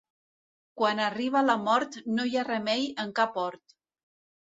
Quan arriba la mort no hi ha remei en cap hort.